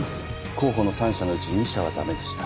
候補の３社のうち２社はダメでした